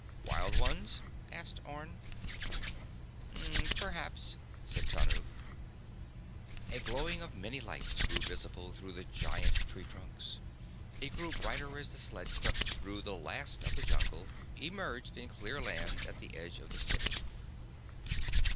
"Wild ones?" asked Orne. "Perhaps," said Tanub. A glowing of many lights grew visible through the giant tree trunks. It grew brighter as the sled crept through the last of the jungle, emerged in cleared land at the edge of the city.